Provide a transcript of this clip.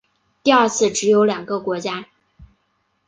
第二次只有两个国家。